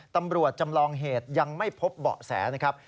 ตำรวจจำลองเหตุยังไม่พบเบาะแสนะครับ